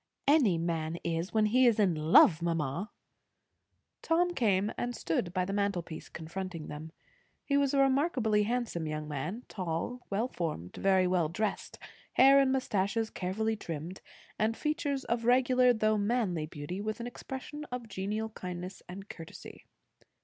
"Any man is, when he is in love, mamma." Tom came and stood by the mantelpiece, confronting them. He was a remarkably handsome young man; tall, well formed, very well dressed, hair and moustaches carefully trimmed, and features of regular though manly beauty, with an expression of genial kindness and courtesy.